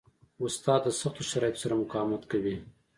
استاد د سختو شرایطو سره مقاومت کوي.